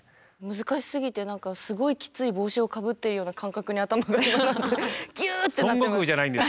難しすぎて何かすごいきつい帽子をかぶっているような感覚に頭がギュッてなってます。